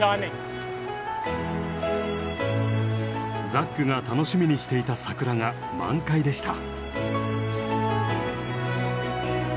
ザックが楽しみにしていた桜が満開でした。